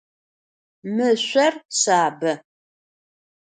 Mı şsor şsabe.